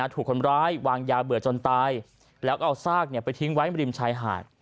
ถูกคนร้ายวางยาเบื่อจนตายแล้วก็เอาซากไปทิ้งไว้ริมชายหาด